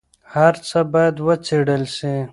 هر څه باید وڅېړل سي.